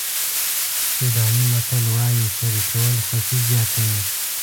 سوډاني متل وایي شریکول خوښي زیاتوي.